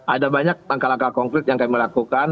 ada banyak langkah langkah konkret yang kami lakukan